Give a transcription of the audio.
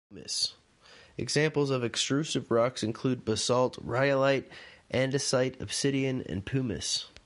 Examples of extrusive rocks include basalt, rhyolite, andesite, obsidian and pumice.